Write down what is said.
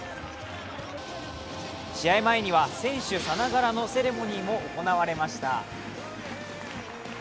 試合前には選手さながらのセレモニーも行われました。